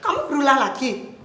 kamu berulang lagi